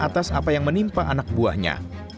atas apa yang menimpa anak buahnya